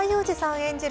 演じる